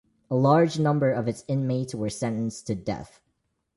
A large number of its inmates were sentenced to death.